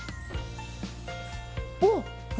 おっ。